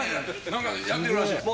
何かやってるらしいやん。